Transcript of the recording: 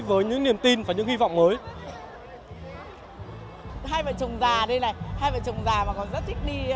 với những niềm tin và những hy vọng mới